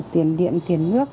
tiền điện tiền nước